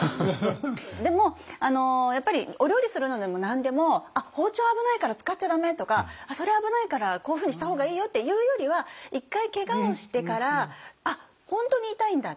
でもお料理するのでも何でも「あっ包丁危ないから使っちゃ駄目」とか「それ危ないからこういうふうにした方がいいよ」って言うよりは一回けがをしてからあっ本当に痛いんだ